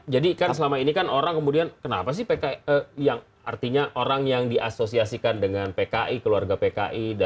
jadi kan selama ini orang kemudian kenapa sih pki artinya orang yang diasosiasikan dengan pki keluarga pki